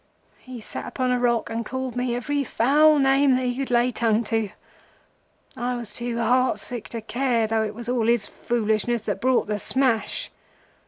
He sat upon a rock and called me every foul name he could lay tongue to. I was too heart sick to care, though it was all his foolishness that brought the smash.